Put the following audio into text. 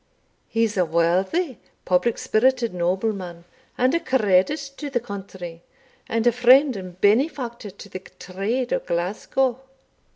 He's a worthy public spirited nobleman, and a credit to the country, and a friend and benefactor to the trade o' Glasgow."